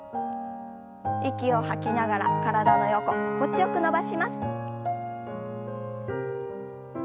息を吐きながら体の横心地よく伸ばします。